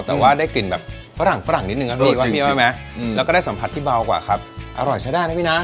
แต่ว่าได้กลิ่นแบบฝรั่งนิดนึงนะพี่อร่อยใช่ได้นะพี่นะ